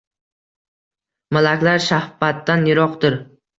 Malaklar shahvatdan yiroqdir